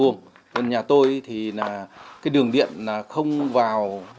nhà tôi thì cái đường điện là không vào